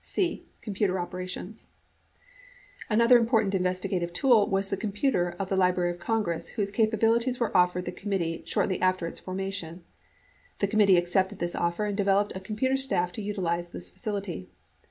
C. Computer Operations Another important investigative tool was the computer of the Li brary of Congress whose capabilities were offered the committee short ly after its formation. The committee accepted this offer and developed a computer staff to utilize this facility.